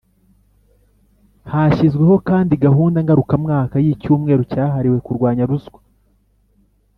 Hashyizweho kandi gahunda ngarukamwaka y'icyumweru cyahariwe kurwanya ruswa